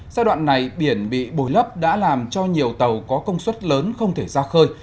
giai đoạn này biển bị bồi lấp đã làm cho nhiều tàu có công suất lớn không thể ra khơi